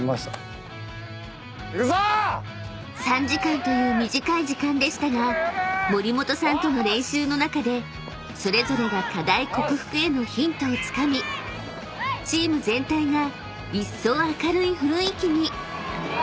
［３時間という短い時間でしたが森本さんとの練習の中でそれぞれが課題克服へのヒントをつかみチーム全体がいっそう明るい雰囲気に］